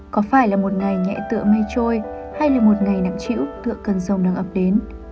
có phải là một ngày nhẹ tựa mây trôi hay là một ngày nặng chịu tựa cần sông nâng ập đến